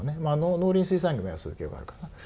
農林水産業もそういう傾向があるかな。